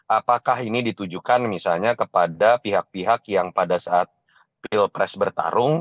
apakah ini ditujukan misalnya kepada pihak pihak yang pada saat pilpres bertarung